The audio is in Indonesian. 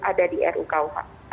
ada di rukuhp